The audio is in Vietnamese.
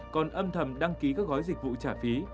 còn âm thầm đăng ký các gói dịch vụ trả phí